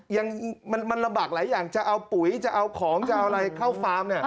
ยังมันลำบากหลายอย่างจะเอาปุ๋ยจะเอาของจะเอาอะไรเข้าฟาร์มเนี่ย